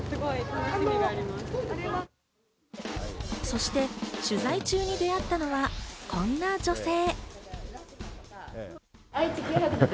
そして、取材中に出会ったのはこんな女性。